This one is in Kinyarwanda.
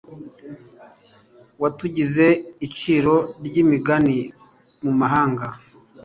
watugize iciro ry'imigani mu mahanga